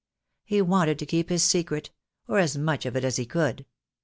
He wanted to keep his secret, or as much of it as he could.